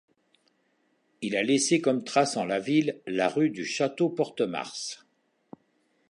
Il a laissé comme trace en la ville la rue du Château porte Mars.